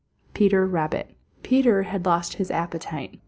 Peter Rabbit. Peter Rabbit had lost his appetite.